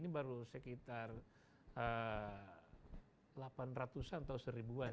ini baru sekitar delapan ratus an atau seribu an